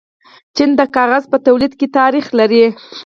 چین د کاغذ په تولید کې تاریخ لري.